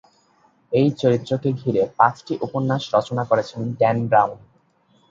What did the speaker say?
এই চরিত্রকে ঘিরে পাঁচটি উপন্যাস রচনা করেছেন ড্যান ব্রাউন।